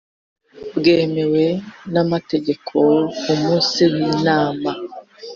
bwemewe n amategeko umunsi w inama